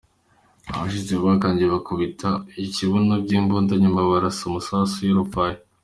Ababishe babanje kubakubita ibibuno by’imbunda nyuma babarasa amasasu y’urufaya.